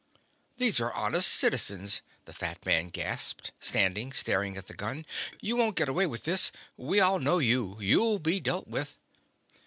"These are honest citizens," the fat man gasped, standing, staring at the gun. "You won't get away with this. We all know you. You'll be dealt with